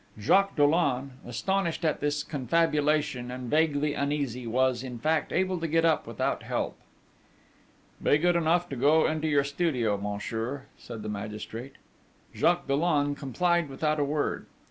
Jacques Dollon, astonished at this confabulation, and vaguely uneasy, was, in fact, able to get up without help. 'Be good enough to go into your studio, monsieur,' said the magistrate. Jacques Dollon complied without a word.